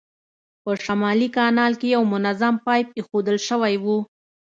په شمالي کانال کې یو منظم پایپ اېښودل شوی و.